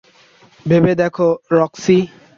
ভেবে দেখো, রক্সি।